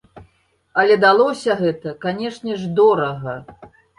Але далося гэта, канешне ж, дорага.